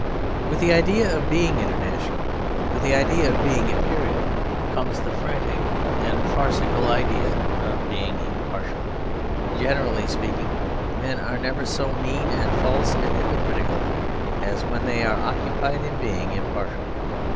With the idea of being international, with the idea of being imperial, comes the frantic and farcical idea of being impartial. Generally speaking, men are never so mean and false and hypocritical as when they are occupied in being impartial.